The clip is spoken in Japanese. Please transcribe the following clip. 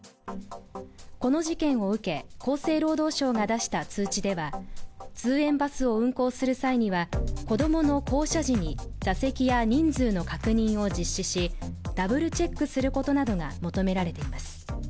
この事件を受け、厚生労働省が出した通知では通園バスを運行する際には子供の降車時に座席や人数の確認を実施しダブルチェックすることなどが求められています。